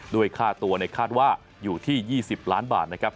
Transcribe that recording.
ด้วยค่าตัวคาดว่าอยู่ที่๒๐ล้านบาทนะครับ